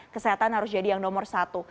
kesehatan harus jadi yang nomor satu